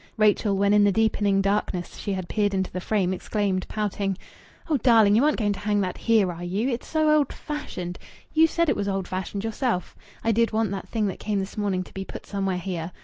Rachel, when in the deepening darkness she had peered into the frame, exclaimed, pouting "Oh, darling, you aren't going to hang that here, are you? It's so old fashioned. You said it was old fashioned yourself. I did want that thing that came this morning to be put somewhere here.